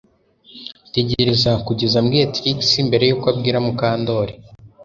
Tegereza kugeza mbwiye Trix mbere yuko ubwira Mukandoli